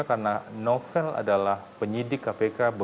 karena novel dan keluarga ini tidak berhubungan dengan penyerangan tersebut